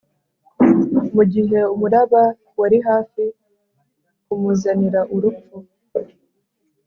mu gihe umuraba wari hafi kumuzanira urupfu,